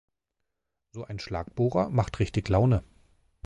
So ein Schlagbohrer macht richtig Laune!